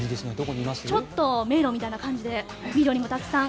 ちょっと迷路みたいな感じで緑もたくさん。